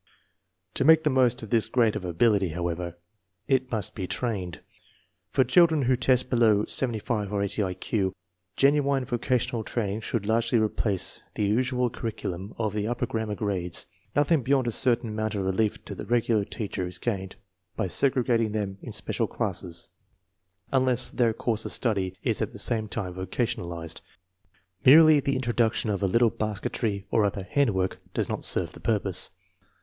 To make the most of this grade of ability, however, it must be trained. (Fox children who test below 75 or 80 I Q, genuine vocational training should largely replace the usual curriculum of the upper grammar grades. 1 ? Nothing beyond a certain amount of relief to the regular teacher is gained by segregating them in special classes, unless their course of study is at the same time vocationalized. Merely the introduction of a little basketry or other " handwork " does not serve the purpose.